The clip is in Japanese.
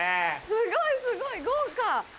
すごいすごい豪華！